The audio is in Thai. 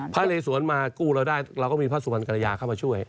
เลสวนมากู้เราได้เราก็มีพระสุวรรณกรยาเข้ามาช่วย